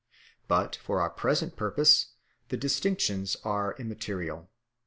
But for our present purpose these distinctions are immaterial.